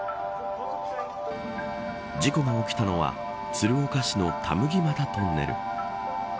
事故が起きたのは鶴岡市の田麦俣トンネル。